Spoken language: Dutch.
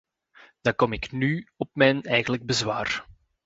Dan kom ik nu op mijn eigenlijke bezwaar.